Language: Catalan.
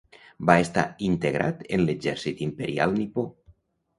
Va estar integrat en l'Exèrcit Imperial nipó.